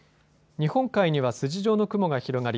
日本海には筋状の雲が広がり